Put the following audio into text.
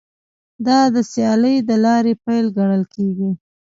دا د سیالۍ د لارې پیل ګڼل کیږي